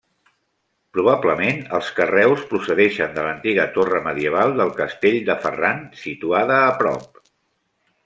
Probablement els carreus procedeixen de l'antiga torre medieval del castell de Ferran, situada a prop.